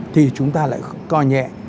thì chúng ta lại co nhẹ